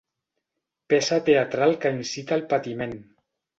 Peça teatral que incita al patiment.